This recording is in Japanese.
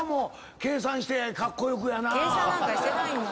計算なんかしてないもん。